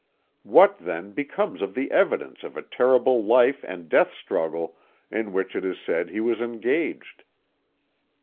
"What, then, becomes of the evidence of a terrible life and death struggle in which it is said he was engaged?